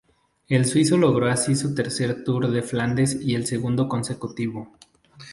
El suizo logró así su tercer Tour de Flandes y el segundo consecutivo.